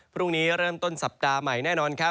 พรุ่งนี้เริ่มต้นสัปดาห์ใหม่แน่นอนครับ